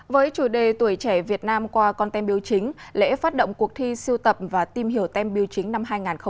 với chủ đề tuổi trẻ việt nam qua con tem biêu chính lễ phát động cuộc thi siêu tập và tìm hiểu tem biêu chính năm hai nghìn hai mươi